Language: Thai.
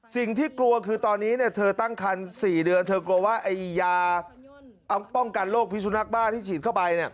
สิ่งที่กลัวคือตอนนี้เนี่ยเธอตั้งคัน๔เดือนเธอกลัวว่าไอ้ยาป้องกันโรคพิสุนักบ้าที่ฉีดเข้าไปเนี่ย